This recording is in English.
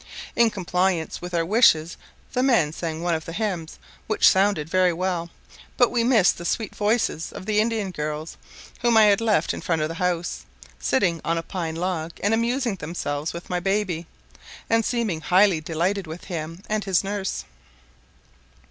In compliance with our wishes the men sang one of the hymns, which sounded very well, but we missed the sweet voices of the Indian girls, whom I had left in front of the house, sitting on a pine log and amusing themselves with my baby, and seeming highly delighted with him and his nurse.